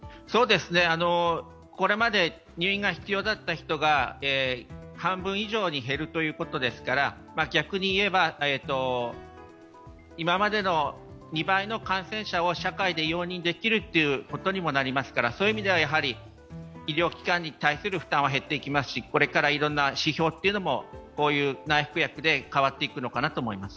これまで入院が必要だった人が半分以上に減るということですから、逆にいえば今までの２倍の感染者を社会で容認できるということにもなりますから、そういう意味では医療機関に対する負担は減っていきますし、これからいろんな指標というのも、内服薬で変わっていくのかなと思います。